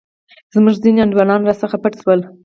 زموږ ځیني انډیوالان راڅخه پټ شول.